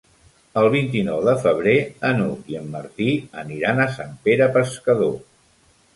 El vint-i-nou de febrer n'Hug i en Martí aniran a Sant Pere Pescador.